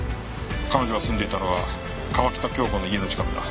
彼女が住んでいたのは川喜多京子の家の近くだ。